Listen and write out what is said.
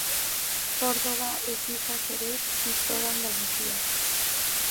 Córdoba, Écija, Jerez y toda Andalucía.